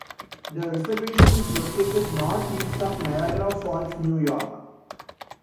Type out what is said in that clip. The reservation is located northeast of Niagara Falls, New York.